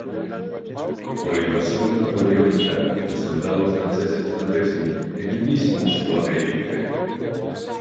Con la invasión napoleónica los soldados franceses establecen en el mismo su batería imperial.